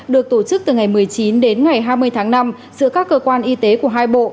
được tổ chức từ ngày một mươi chín đến ngày hai mươi tháng năm giữa các cơ quan y tế của hai bộ